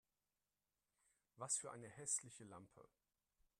Was für eine hässliche Lampe!